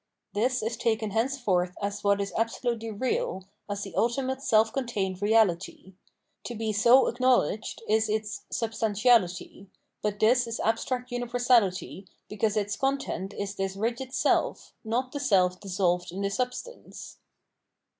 This is taken henceforth as what is absolutely real, as the ultimate self contained reality. To be so ac knowledged is its substantiahty ;^ but^ this is abstract universahty, because its content is this rigid self, not the self dissolved in the substance.